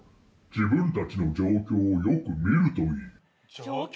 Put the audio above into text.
自分たちの状況をよく見るといい。状況？